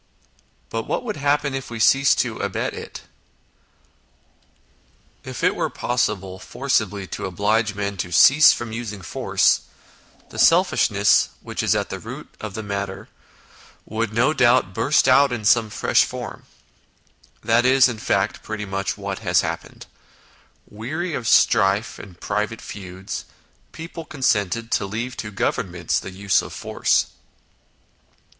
But what would happen if we ceased to abet it ? INTRODUCTION 7 If it were possible forcibly to oblige men to cease from using force, the selfishness which is at the root of the matter would, no doubt, burst out in some fresh form. That is, in fact, pretty much what has happened : weary of strife and private feuds, people consented to leave to Governments the use of force.